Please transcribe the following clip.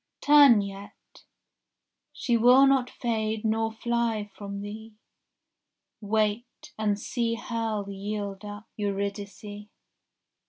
Turn yet, she will not fade nor fly from thee; Wait, and see hell yield up Eurydice.